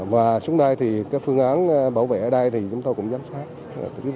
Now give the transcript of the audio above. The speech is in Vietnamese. và xuống đây thì phương án bảo vệ ở đây thì chúng tôi cũng giám sát